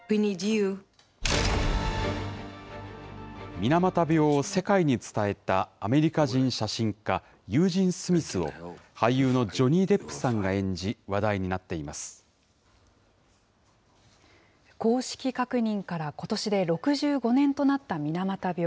水俣病を世界に伝えたアメリカ人写真家、ユージン・スミスを、俳優のジョニー・デップさんが演じ、話題に公式確認からことしで６５年となった水俣病。